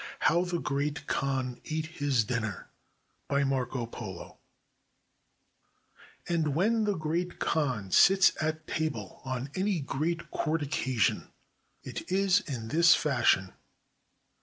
HOW THE GREAT KHAN ATE HIS DINNER BY MARCO POLO And when the Great Khan sits at table on any great court occasion, it is in this fashion.